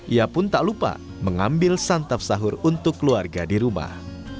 ia pun tak lupa mengambil santap sahur untuk keluarga di rumah